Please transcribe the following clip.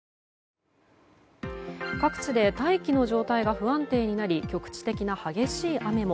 各地で大気の状態が不安定になり局地的な激しい雨も。